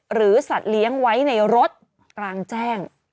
สัตว์เลี้ยงไว้ในรถกลางแจ้ง